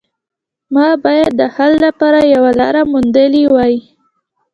ما باید د حل لپاره یوه لاره موندلې وای